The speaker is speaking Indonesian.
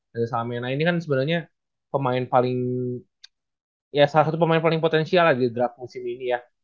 dari samena ini kan sebenarnya pemain paling ya salah satu pemain paling potensial lagi draft musim ini ya